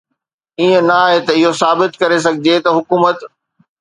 ائين نه آهي ته اهو ثابت ڪري سگهجي ته حڪومت